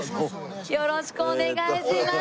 よろしくお願いします。